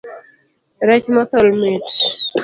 Rech mothol mit.